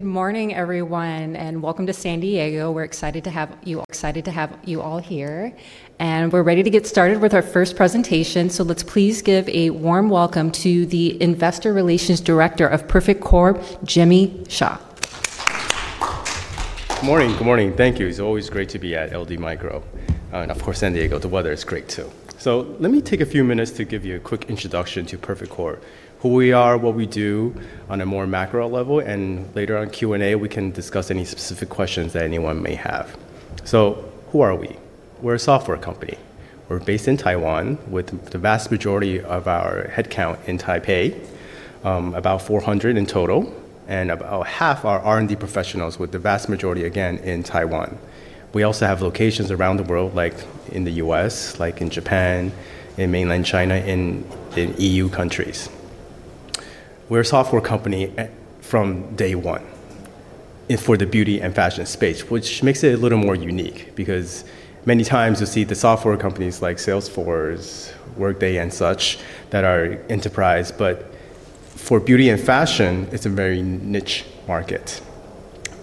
Good morning, everyone, and welcome to San Diego. We're excited to have you all here, and we're ready to get started with our first presentation. Let's please give a warm welcome to the Investor Relations Director of Perfect Corp., Jimmy Xia. Morning, good morning. Thank you. It's always great to be at LD Micro. Of course, San Diego, the weather is great too. Let me take a few minutes to give you a quick introduction to Perfect Corp., who we are, what we do on a more macro level, and later on, Q&A, we can discuss any specific questions that anyone may have. Who are we? We're a software company. We're based in Taiwan with the vast majority of our headcount in Taipei, about 400 in total, and about half our R&D professionals, with the vast majority, again, in Taiwan. We also have locations around the world, like in the U.S., like in Japan, in mainland China, and in EU countries. We're a software company from day one for the beauty and fashion space, which makes it a little more unique because many times you see the software companies like Salesforce, Workday, and such that are enterprise, but for beauty and fashion, it's a very niche market.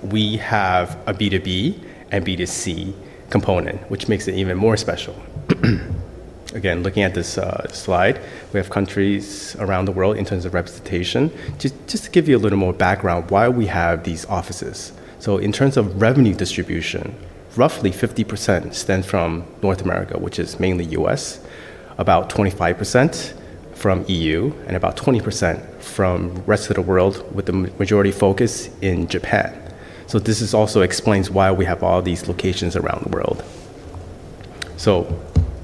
We have a B2B and B2C component, which makes it even more special. Again, looking at this slide, we have countries around the world in terms of representation. Just to give you a little more background, why we have these offices. In terms of revenue distribution, roughly 50% stem from North America, which is mainly U.S., about 25% from EU, and about 20% from the rest of the world, with the majority focus in Japan. This also explains why we have all these locations around the world.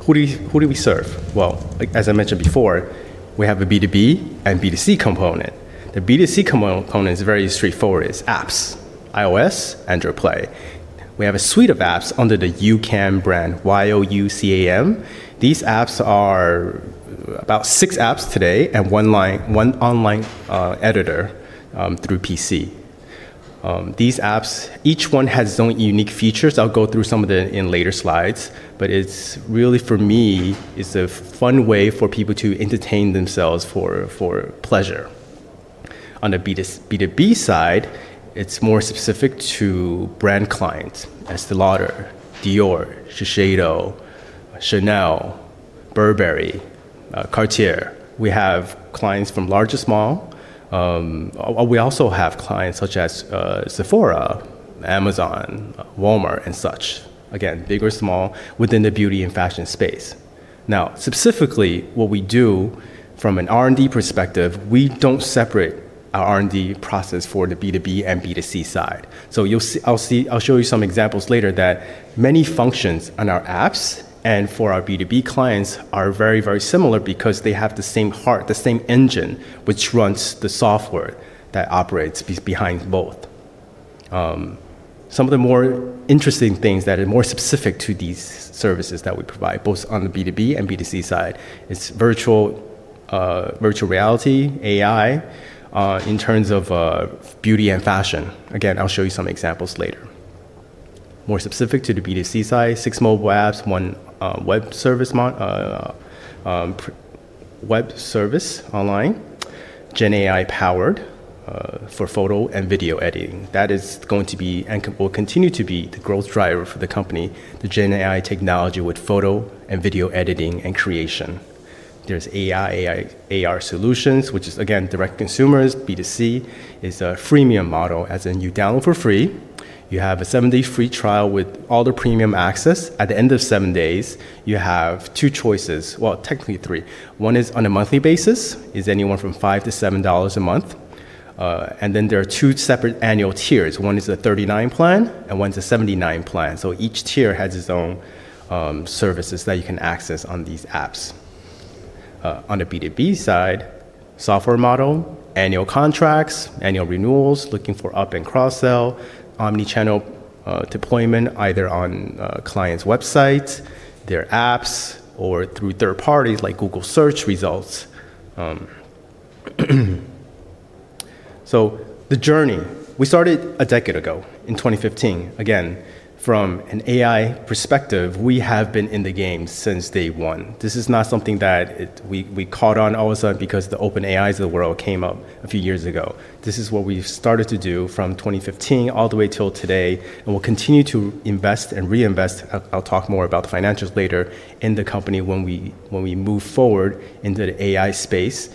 Who do we serve? As I mentioned before, we have a B2B and B2C component. The B2C component is very straightforward. It's apps, iOS, Android Play. We have a suite of apps under the YouCam brand, Y-O-U-C-A-M. These apps are about six apps today and one online editor through PC. Each one has its own unique features. I'll go through some of them in later slides, but really, for me, it's a fun way for people to entertain themselves for pleasure. On the B2B side, it's more specific to brand clients as the latter: Dior, Shiseido, Chanel, Burberry, Cartier. We have clients from large to small. We also have clients such as Sephora, Amazon, Walmart, and such. Big or small, within the beauty and fashion space. Now, specifically, what we do from an R&D perspective, we don't separate our R&D process for the B2B and B2C side. I'll show you some examples later that many functions on our apps and for our B2B clients are very, very similar because they have the same heart, the same engine, which runs the software that operates behind both. Some of the more interesting things that are more specific to these services that we provide, both on the B2B and B2C side, is virtual reality, AI, in terms of beauty and fashion. Again, I'll show you some examples later. More specific to the B2C side, six mobile apps, one web service online, GenAI-powered for photo and video editing. That is going to be and will continue to be the growth driver for the company, the generative AI technology with photo and video editing and creation. There's AI, AR solutions, which is, again, direct to consumers. B2C is a freemium subscription model. As in, you download for free, you have a seven-day free trial with all the premium access. At the end of seven days, you have two choices. Technically three. One is on a monthly basis, is anywhere from $5 to $7 a month. Then there are two separate annual tiers. One is a $39 plan and one is a $79 plan. Each tier has its own services that you can access on these apps. On the B2B side, software model, annual contracts, annual renewals, looking for up and cross-sell, omnichannel deployment either on clients' websites, their apps, or through third parties like Google search results. The journey, we started a decade ago in 2015. From an AI perspective, we have been in the game since day one. This is not something that we caught on all of a sudden because the OpenAIs of the world came up a few years ago. This is what we've started to do from 2015 all the way till today, and we'll continue to invest and reinvest. I'll talk more about the financials later in the company when we move forward into the AI space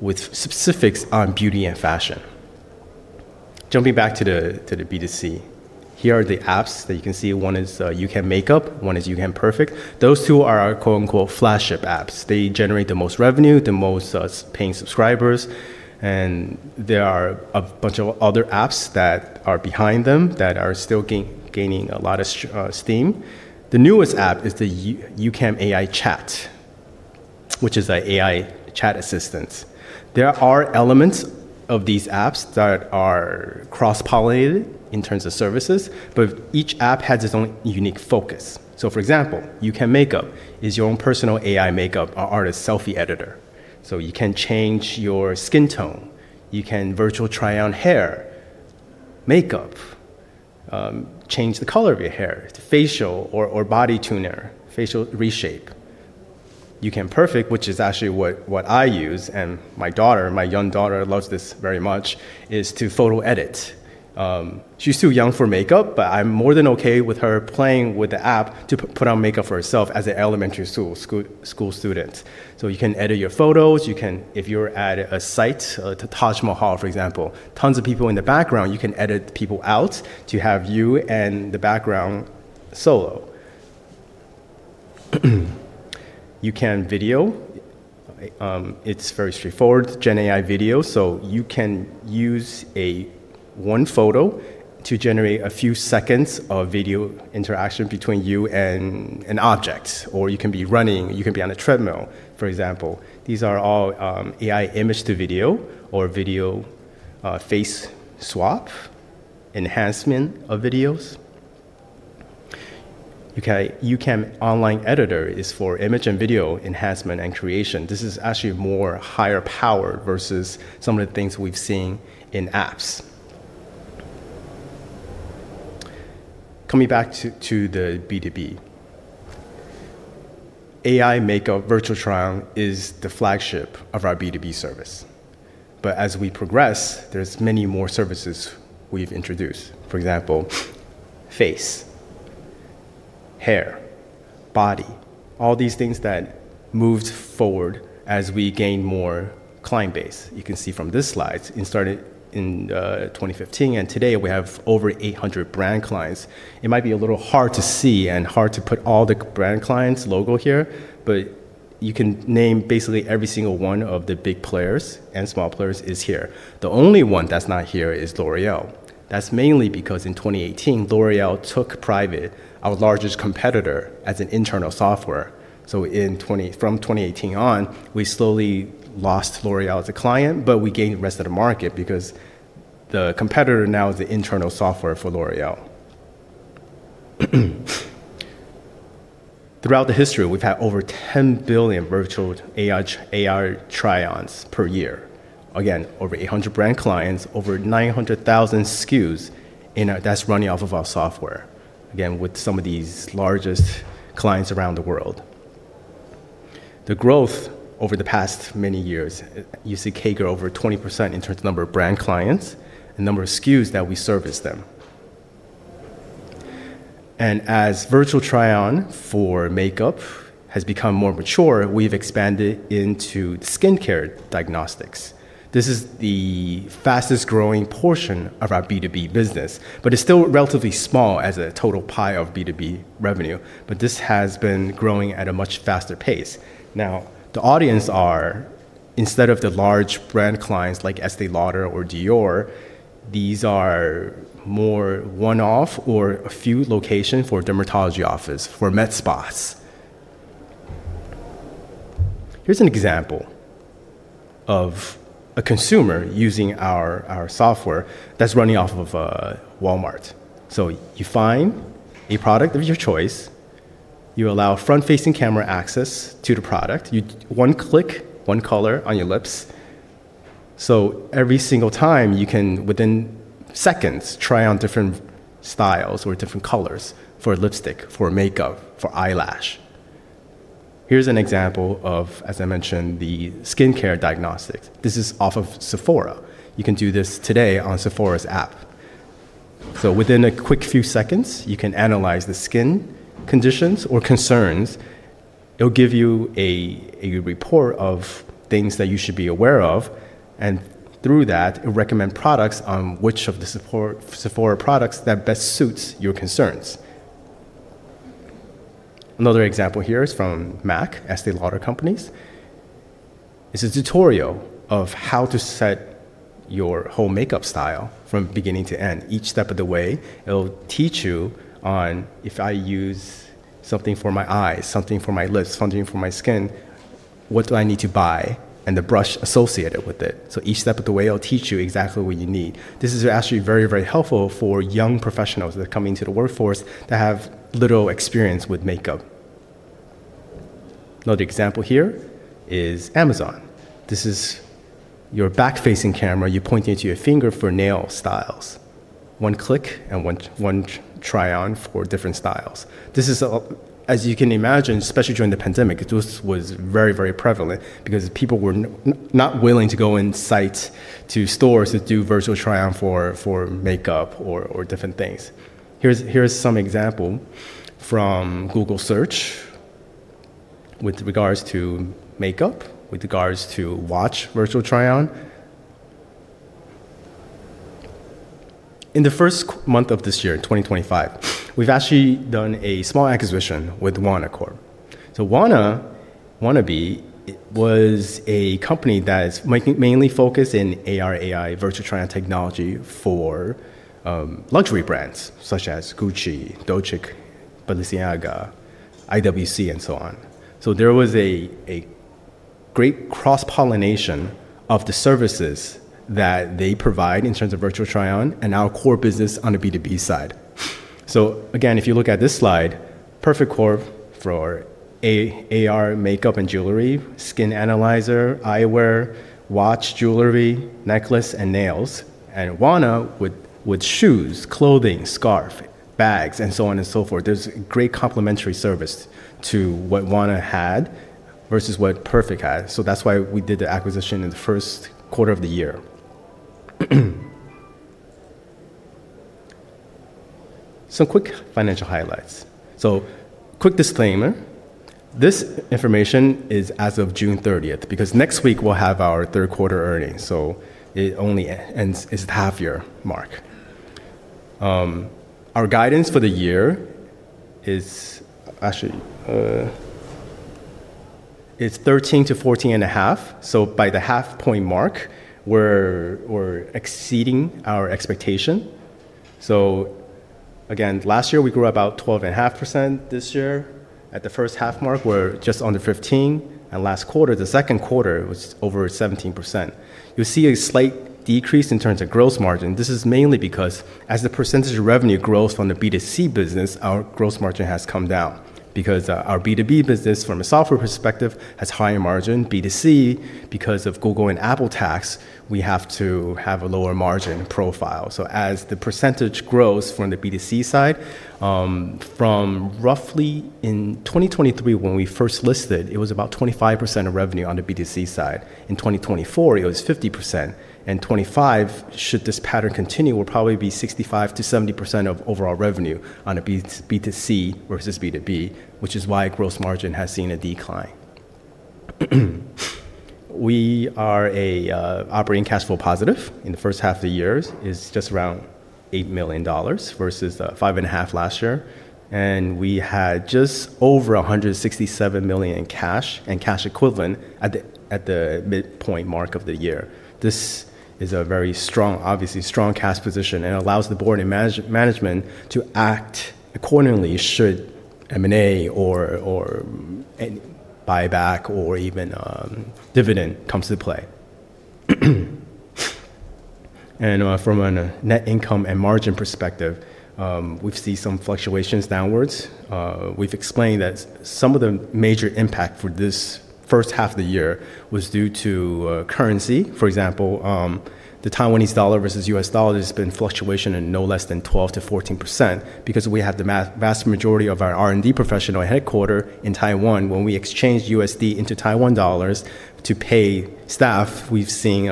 with specifics on beauty and fashion. Jumping back to the B2C, here are the apps that you can see. One is YouCam Makeup, one is YouCam Perfect. Those two are our quote-unquote "flagship" apps. They generate the most revenue, the most paying subscribers, and there are a bunch of other apps that are behind them that are still gaining a lot of steam. The newest app is the YouCam AI Chat, which is an AI chat assistant. There are elements of these apps that are cross-pollinated in terms of services, but each app has its own unique focus. For example, YouCam Makeup is your own personal AI Makeup Virtual Try-On or artist selfie editor. You can change your skin tone. You can virtual try-on hair, makeup, change the color of your hair, facial or body tuner, facial reshape. YouCam Perfect, which is actually what I use and my daughter, my young daughter, loves this very much, is to photo edit. She's too young for makeup, but I'm more than OK with her playing with the app to put on makeup for herself as an elementary school student. You can edit your photos. If you're at a site, Taj Mahal, for example, tons of people in the background, you can edit people out to have you in the background solo. YouCam Video, it's very straightforward, generative AI video. You can use one photo to generate a few seconds of video interaction between you and an object. You can be running, you can be on a treadmill, for example. These are all AI image to video or video face swap enhancement of videos. YouCam Online Editor is for image and video enhancement and creation. This is actually more higher power versus some of the things we've seen in apps. Coming back to the B2B, AI Makeup Virtual Try-On is the flagship of our B2B service. As we progress, there's many more services we've introduced. For example, face, hair, body, all these things that moved forward as we gained more client base. You can see from this slide, it started in 2015, and today we have over 800 brand clients. It might be a little hard to see and hard to put all the brand clients' logos here, but you can name basically every single one of the big players and small players is here. The only one that's not here is L'Oréal. That's mainly because in 2018, L'Oréal took private, our largest competitor, as an internal software. From 2018 on, we slowly lost L'Oréal as a client, but we gained the rest of the market because the competitor now is the internal software for L'Oréal. Throughout the history, we've had over 10 billion virtual AR try-ons per year. Again, over 800 brand clients, over 900,000 SKUs that's running off of our software, again, with some of these largest clients around the world. The growth over the past many years, you see CAGR over 20% in terms of the number of brand clients and the number of SKUs that we service them. As virtual try-on for makeup has become more mature, we've expanded into AI-powered skincare diagnostics. This is the fastest growing portion of our B2B business, but it's still relatively small as a total pie of B2B revenue. This has been growing at a much faster pace. Now, the audience are, instead of the large brand clients like Estée Lauder or Dior, these are more one-off or a few locations for dermatology office, for med spas. Here's an example of a consumer using our software that's running off of Walmart. You find a product of your choice. You allow front-facing camera access to the product. One click, one color on your lips. Every single time, you can, within seconds, try on different styles or different colors for lipstick, for makeup, for eyelash. Here's an example of, as I mentioned, the AI-powered skincare diagnostics. This is off of Sephora. You can do this today on Sephora's app. Within a quick few seconds, you can analyze the skin conditions or concerns. It'll give you a report of things that you should be aware of. Through that, it'll recommend products on which of the Sephora products best suit your concerns. Another example here is from MAC, Estée Lauder companies. It's a tutorial of how to set your whole makeup style from beginning to end. Each step of the way, it'll teach you on if I use something for my eyes, something for my lips, something for my skin, what do I need to buy, and the brush associated with it. Each step of the way, it'll teach you exactly what you need. This is actually very, very helpful for young professionals that come into the workforce that have little experience with makeup. Another example here is Amazon. This is your back-facing camera. You're pointing to your finger for nail styles. One click and one try-on for different styles. As you can imagine, especially during the pandemic, this was very, very prevalent because people were not willing to go inside to stores to do virtual try-on for makeup or different things. Here's some examples from Google Search with regards to makeup, with regards to watch virtual try-on. In the first month of this year, in 2025, we've actually done a small acquisition with WANNA. WANNA was a company that's mainly focused in AR/AI virtual try-on technology for luxury brands such as Gucci, Dolce & Gabbana, Balenciaga, IWC, and so on. There was a great cross-pollination of the services that they provide in terms of virtual try-on and our core business on the B2B side. If you look at this slide, Perfect Corp. for AR makeup and jewelry, skin analyzer, eyewear, watch, jewelry, necklace, and nails, and WANNA with shoes, clothing, scarf, bags, and so on and so forth. There's a great complementary service to what WANNA had versus what Perfect Corp. had. That's why we did the acquisition in the first quarter of the year. Some quick financial highlights. Quick disclaimer, this information is as of June 30th because next week we'll have our third quarter earnings. It only ends at the half-year mark. Our guidance for the year is actually 13%-14.5%. By the half point mark, we're exceeding our expectation. Last year we grew about 12.5%. This year, at the first half mark, we're just under 15%. Last quarter, the second quarter, it was over 17%. You'll see a slight decrease in terms of gross margin. This is mainly because as the percentage of revenue grows from the B2C business, our gross margin has come down because our B2B business, from a software perspective, has higher margin. B2C, because of Google and Apple tax, we have to have a lower margin profile. As the percentage grows from the B2C side, from roughly in 2023, when we first listed, it was about 25% of revenue on the B2C side. In 2024, it was 50%. If this pattern continues, it will probably be 65%-70% of overall revenue on a B2C versus B2B, which is why gross margin has seen a decline. We are operating cash flow positive. In the first half of the year, it's just around $8 million versus $5.5 million last year. We had just over $167 million in cash and cash equivalent at the midpoint mark of the year. This is a very strong, obviously strong cash position and allows the board and management to act accordingly should M&A or buyback or even dividend come to play. From a net income and margin perspective, we've seen some fluctuations downwards. We've explained that some of the major impact for this first half of the year was due to currency. For example, the Taiwanese dollar versus U.S. dollar has been fluctuating at no less than 12%-14% because we have the vast majority of our R&D professionals headquartered in Taiwan. When we exchange USD into Taiwan dollars to pay staff, we've seen,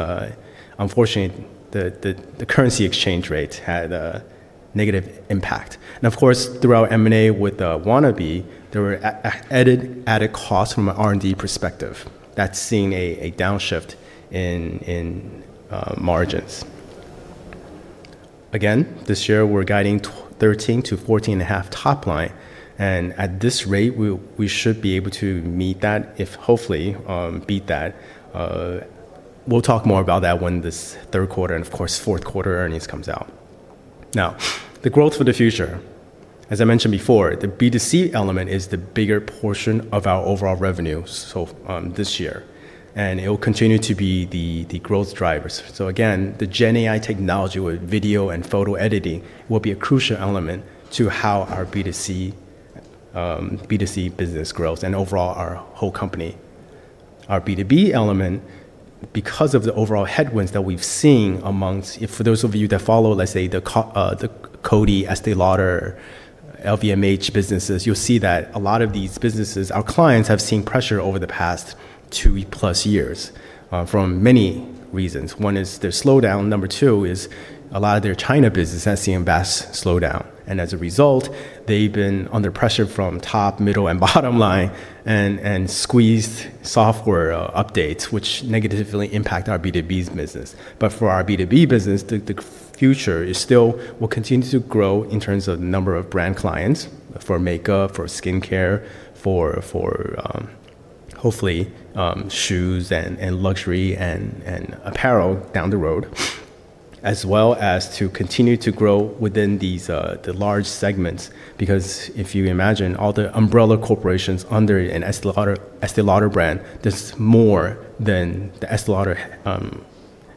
unfortunately, the currency exchange rate had a negative impact. Throughout M&A with WANNA, there were added costs from an R&D perspective that's seen a downshift in margins. This year, we're guiding 13%-14.5% top line. At this rate, we should be able to meet that, if hopefully beat that. We'll talk more about that when this third quarter and, of course, fourth quarter earnings come out. The growth for the future, as I mentioned before, the B2C element is the bigger portion of our overall revenue this year. It will continue to be the growth driver. The GenAI technology with video and photo editing will be a crucial element to how our B2C business grows and overall our whole company. Our B2B element, because of the overall headwinds that we've seen amongst, for those of you that follow, let's say, the Coty, Estée Lauder, LVMH businesses, you'll see that a lot of these businesses, our clients, have seen pressure over the past 2+ years for many reasons. One is their slowdown. Number two is a lot of their China business has seen a vast slowdown. As a result, they've been under pressure from top, middle, and bottom line and squeezed software updates, which negatively impact our B2B business. For our B2B business, the future still will continue to grow in terms of the number of brand clients for makeup, for skincare, for hopefully shoes and luxury and apparel down the road, as well as to continue to grow within these large segments. If you imagine all the umbrella corporations under an Estée Lauder brand, there's more than the Estée Lauder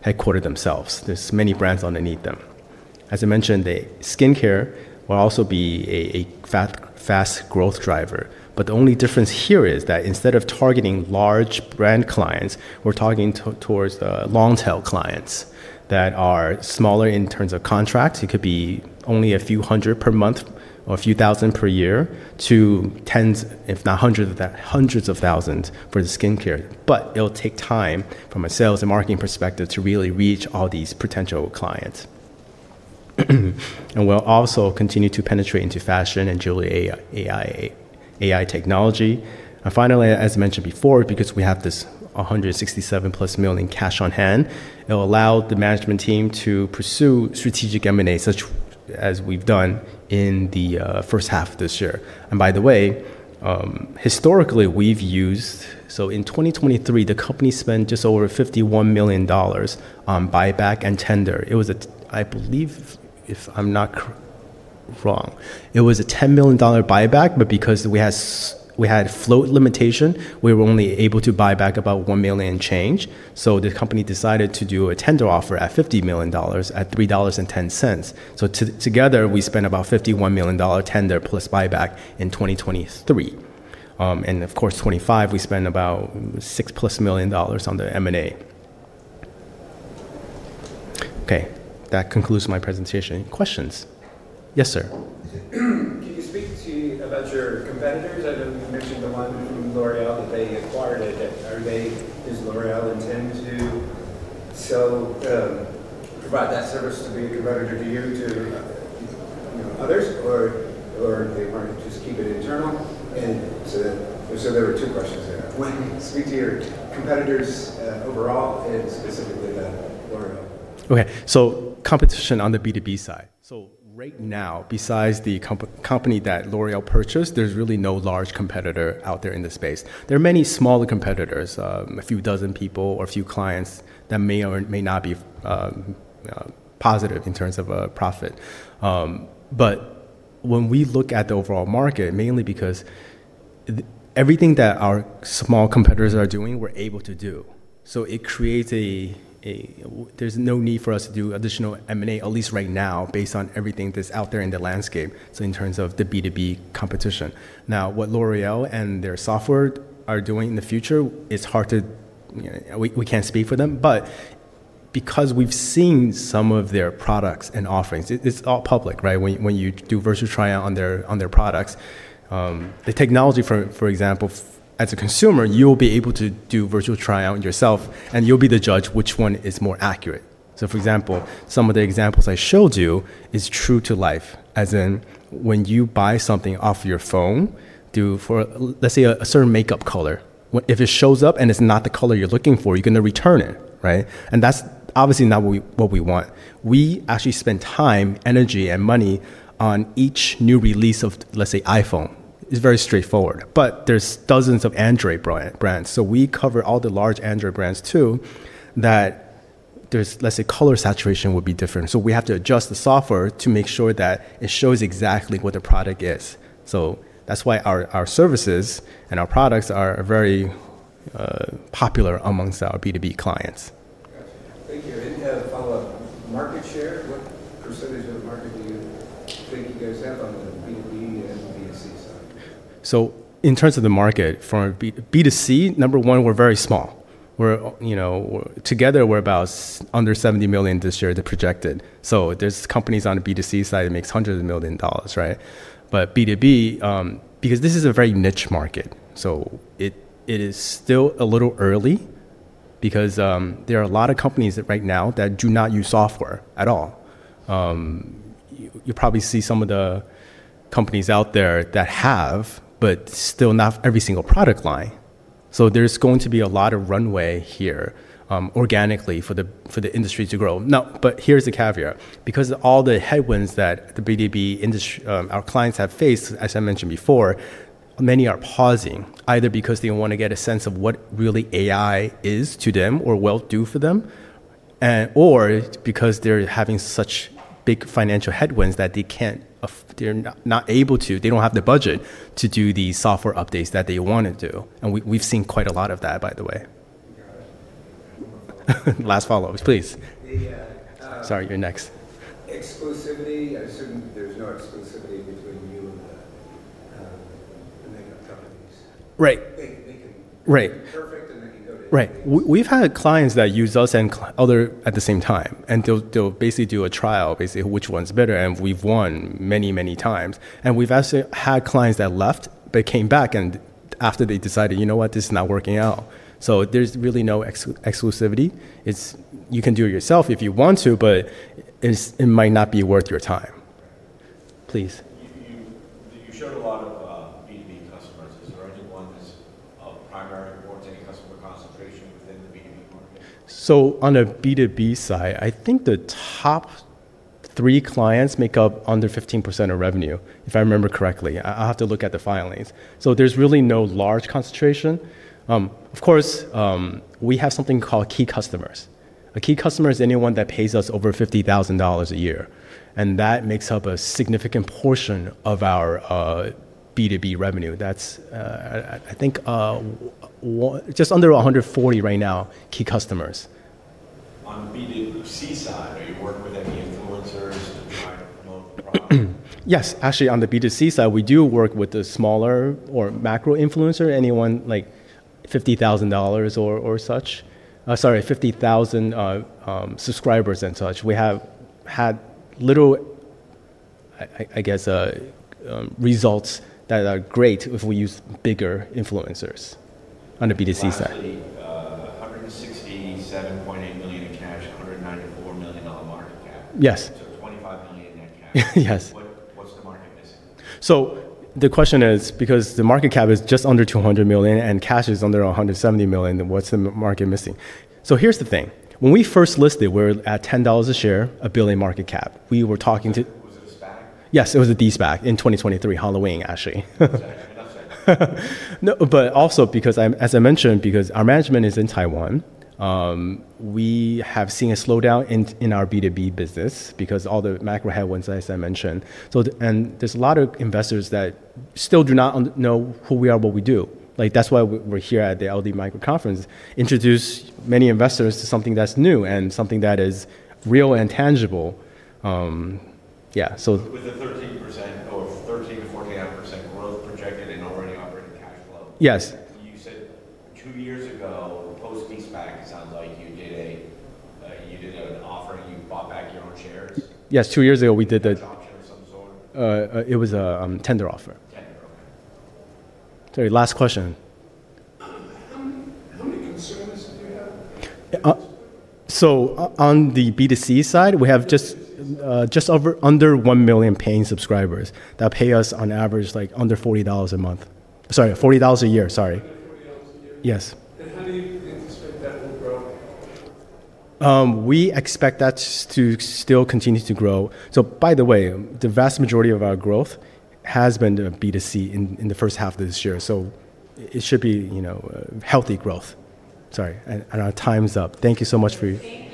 headquarters themselves. There are many brands underneath them. As I mentioned, the skincare will also be a fast growth driver. The only difference here is that instead of targeting large brand clients, we're targeting towards long-tail clients that are smaller in terms of contracts. It could be only a few hundred per month or a few thousand per year to tens, if not hundreds of thousands, for the skincare. It'll take time from a sales and marketing perspective to really reach all these potential clients. We'll also continue to penetrate into fashion and jewelry AI technology. Finally, as I mentioned before, because we have this $167+ million cash on hand, it'll allow the management team to pursue strategic M&A, such as we've done in the first half of this year. By the way, historically, we've used, so in 2023, the company spent just over $51 million on buyback and tender. I believe, if I'm not wrong, it was a $10 million buyback. Because we had float limitation, we were only able to buy back about $1 million change. The company decided to do a tender offer at $50 million at $3.10. Together, we spent about $51 million tender plus buyback in 2023. Of course, 2025, we spent about $6+ million on the M&A. OK, that concludes my presentation. Questions? Yes, sir. Can you speak to about your competitors? I know you mentioned the one from L'Oréal that they acquired. Does L'Oréal intend to provide that service to be a competitor to you to others? Or they want to just keep it internal? There were two questions there. Can you speak to your competitors overall and specifically the L'Oréal? OK, so competition on the B2B side. Right now, besides the company that L'Oréal purchased, there's really no large competitor out there in the space. There are many smaller competitors, a few dozen people or a few clients that may or may not be positive in terms of a profit. When we look at the overall market, mainly because everything that our small competitors are doing, we're able to do. It creates a, there's no need for us to do additional M&A, at least right now, based on everything that's out there in the landscape, in terms of the B2B competition. What L'Oréal and their software are doing in the future, it's hard to, we can't speak for them. We've seen some of their products and offerings, it's all public, right? When you do virtual try-on on their products, the technology, for example, as a consumer, you will be able to do virtual try-on yourself, and you'll be the judge which one is more accurate. For example, some of the examples I showed you are true to life, as in when you buy something off your phone for, let's say, a certain makeup color. If it shows up and it's not the color you're looking for, you're going to return it, right? That's obviously not what we want. We actually spend time, energy, and money on each new release of, let's say, iPhone. It's very straightforward. There's dozens of Android brands. We cover all the large Android brands too that there's, let's say, color saturation would be different. We have to adjust the software to make sure that it shows exactly what the product is. That's why our services and our products are very popular amongst our B2B clients. Thank you. I didn't have a follow-up. Market share, what percentage of the market do you think you guys have on the B2B and B2C side? In terms of the market, for B2C, number one, we're very small. Together, we're about under $70 million this year, the projected. There are companies on the B2C side that make hundreds of million dollars, right? For B2B, because this is a very niche market, it is still a little early because there are a lot of companies right now that do not use software at all. You'll probably see some of the companies out there that have, but still not every single product line. There's going to be a lot of runway here organically for the industry to grow. Here's the caveat. Because of all the headwinds that the B2B industry, our clients have faced, as I mentioned before, many are pausing either because they don't want to get a sense of what really AI is to them or will do for them, or because they're having such big financial headwinds that they can't, they're not able to, they don't have the budget to do the software updates that they want to do. We've seen quite a lot of that, by the way. Got it. Last follow-up, please. Sorry, you're next. Exclusivity, I assume there's no exclusivity between you and the makeup companies. Right. They can Perfect, and they can go to you. Right. We've had clients that use us and others at the same time. They'll basically do a trial, basically which one's better, and we've won many, many times. We've actually had clients that left but came back after they decided, you know what, this is not working out. There's really no exclusivity. You can do it yourself if you want to, but it might not be worth your time. Please. You showed a lot of B2B customers. Is there any one that's of primary importance, any customer concentration within the B2B market? On the B2B side, I think the top three clients make up under 15% of revenue, if I remember correctly. I'll have to look at the filings. There's really no large concentration. Of course, we have something called key customers. A key customer is anyone that pays us over $50,000 a year. That makes up a significant portion of our B2B revenue. That's, I think, just under 140 right now, key customers. On the B2C side, are you working with any influencers to try to promote the product? Yes, actually, on the B2C side, we do work with the smaller or macro influencer, anyone like 50,000 or such, sorry, 50,000 subscribers and such. We have had little, I guess, results that are great if we use bigger influencers on the B2C side. $167.8 million in cash, $194 million market cap. Yes. $25 million in net cash. Yes. What's the market missing? The question is, because the market cap is just under $200 million and cash is under $170 million, what's the market missing? Here's the thing. When we first listed, we were at $10 a share, a $1 billion market cap. We were talking to. Was it a SPAC? Yes, it was a D-SPAC in 2023, Halloween, actually. I'm not saying that. No, also because, as I mentioned, because our management is in Taiwan, we have seen a slowdown in our B2B business because of all the macro headwinds, as I mentioned. There are a lot of investors that still do not know who we are, what we do. That's why we're here at the LD Micro Conference, to introduce many investors to something that's new and something that is real and tangible. Yeah. With the 13% or 13%-14.5% growth projected and already operating cash flow. Yes. You said two years ago, post-D-SPAC, it sounds like you did an offer and you bought back your own shares? Yes, two years ago, we did. Was it an adoption of some sort? It was a tender offer. Tender, OK. Sorry, last question. How many consumers do you have? On the B2C side, we have just under $1 million paying subscribers that pay us on average like under $40 a year, sorry. $40 a year? Yes. How do you anticipate that will grow? We expect that to still continue to grow. By the way, the vast majority of our growth has been B2C in the first half of this year. It should be healthy growth. Sorry, and our time's up. Thank you so much for your. Thank you.